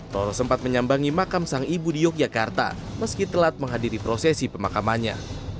toro sempat menyambangi makam sang ibu di yogyakarta meski telat menghadiri prosesi pemakamannya